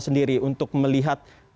sendiri untuk melihat